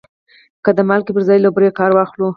که د مالګې پر ځای له بورې کار واخلو؟